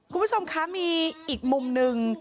คุณผู้ชมคะมีอีกมุมหนึ่ง